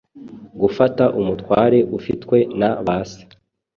Gufata umutware ufitwe na ba se